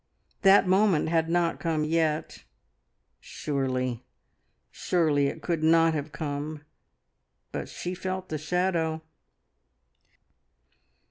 That moment had not come yet; surely, surely, it could not have come, but she felt the shadow.